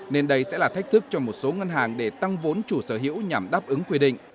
nên đây sẽ là thách thức cho một số ngân hàng để tăng vốn chủ sở hữu nhằm đáp ứng quy định